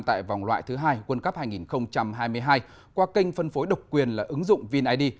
tại vòng loại thứ hai quân cấp hai nghìn hai mươi hai qua kênh phân phối độc quyền là ứng dụng vin id